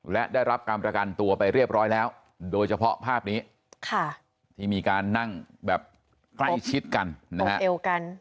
และได้รับการประกันตัวไปเรียบร้อยแล้วโดยเฉพาะภาพนี้ที่มีการนั่งแบบใกล้ชิดกันนะฮะ